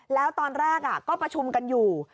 แล้วตอนแรกก็ประชุมกันอยู่